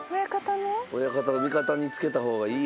親方を味方につけたほうがいいよ。